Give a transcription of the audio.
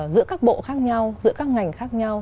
giữa các bộ khác nhau giữa các ngành khác nhau